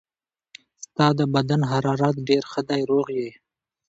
ستا د بدن حرارت ډېر ښه دی، روغ یې.